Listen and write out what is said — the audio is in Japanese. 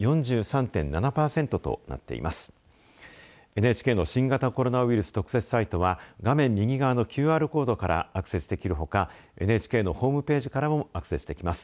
ＮＨＫの新型コロナウイルス特設サイトは画面右側のＱＲコードからアクセスできるほかＮＨＫのホームページからもアクセスできます。